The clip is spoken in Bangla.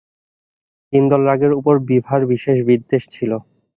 হিন্দোল রাগের উপর বিভার বিশেষ বিদ্বেষ ছিল।